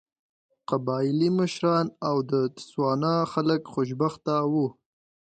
قبایلي مشران او د تسوانا خلک خوشبخته وو.